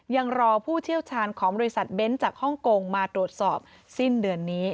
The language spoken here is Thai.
ยังรอผู้เชี่ยวชาญของบริษัทเบนท์จากฮ่องกงมาตรวจสอบสิ้นเดือนนี้